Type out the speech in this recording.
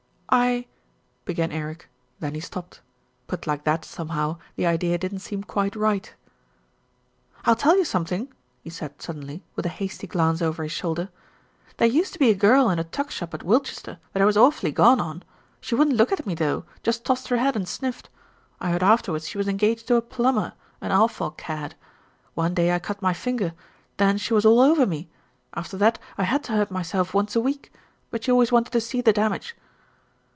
"I " began Eric, then he stopped. Put like that, somehow, the idea didn't seem quite right. "I'll tell you something," he said suddenly, with a hasty glance over his shoulder. "There used to be a girl in a tuck shop at Wilchester that I was awfully gone on. She wouldn't look at me though, just tossed her head and sniffed. I heard afterwards she was engaged to a plumber, an awful cad. One day I cut my finger. Then she was all over me. After that I had to hurt myself once a week; but she always wanted to see the damage."